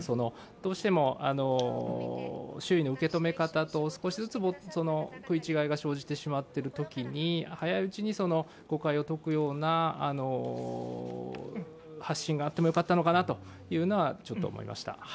どうしても、周囲の受け止め方と少しずつ食い違いが生じてしまっているときに早いうちに誤解を解くような発信があってもよかったのかなというのはちょっと思いました。